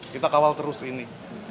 kita kawal terus ini